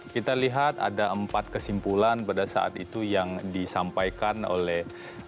kita lihat ada empat kesimpulan pada saat itu yang disampaikan oleh